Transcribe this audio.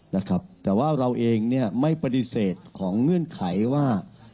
นะครับแต่ว่าเราเองเนี่ยไม่ปฏิเสธของเงื่อนไขว่า